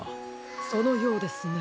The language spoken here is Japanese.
そのようですね。